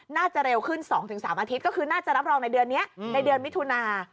น่าจะเร็วขึ้น๒๓อาทิตย์ก็คือน่าจะรับรองในเดือนนี้ในเดือนมิถุนา